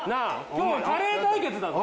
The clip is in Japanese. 今日カレー対決だぞ？